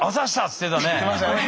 言ってましたね。